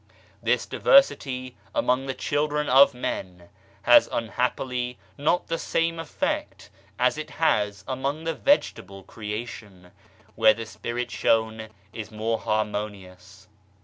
This diversity among the children of men has unhappily not the same effect as it has among the vegetable creation, where the spirit shown is more harmonious.